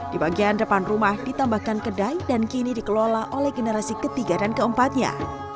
di bagian depan rumah ditambahkan kedai dan kini dikelola oleh generasi ketiga dan keempatnya